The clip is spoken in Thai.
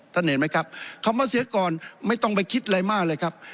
เห็นไหมครับคำว่าเสียก่อนไม่ต้องไปคิดอะไรมากเลยครับ